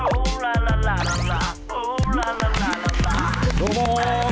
どうも。